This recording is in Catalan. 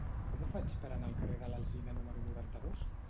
Com ho faig per anar al carrer de l'Alzina número noranta-dos?